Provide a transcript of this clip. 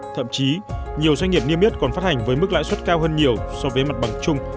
thậm chí nhiều doanh nghiệp niêm yết còn phát hành với mức lãi suất cao hơn nhiều so với mặt bằng chung